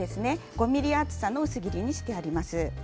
５ｍｍ厚さの薄切りにしてあります。